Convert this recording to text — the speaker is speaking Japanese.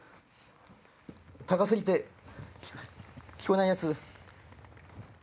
高過ぎて聞こえないやつ。